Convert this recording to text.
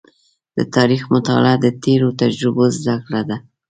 د تاریخ مطالعه د تېرو تجربو زده کړه ده.